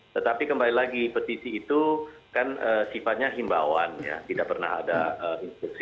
tetapi kembali lagi petisi itu kan sifatnya himbawan ya tidak pernah ada instruksi